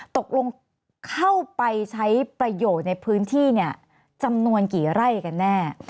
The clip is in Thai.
ตกลงเข้าไปใช้ประโยชน์ในพื้นที่เนี่ยจำนวนกี่ไร่กันแน่